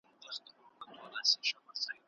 خپل مالونه په حقه وکاروئ.